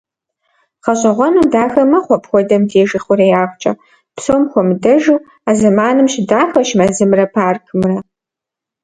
Гъащӏэгъуэну дахэ мэхъу апхуэдэм деж ихъуреягъкӏэ, псом хуэмыдэжу, а зэманым щыдахэщ мэзымрэ паркымрэ.